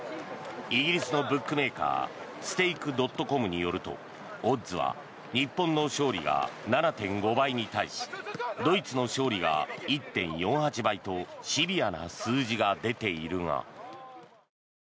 イギリスのブックメーカーＳｔａｋｅ．ｃｏｍによるとオッズは日本の勝利が７．５倍に対しドイツの勝利が１．４８倍とシビアな数字が出ているが。